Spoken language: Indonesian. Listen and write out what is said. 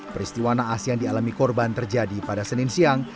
peristiwa naas yang dialami korban terjadi pada senin siang